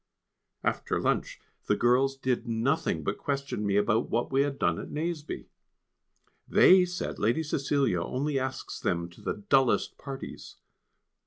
After lunch the girls did nothing but question me about what we had done at Nazeby. They said Lady Cecilia only asks them to the dullest parties.